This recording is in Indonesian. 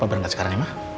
papa berangkat sekarang ya ma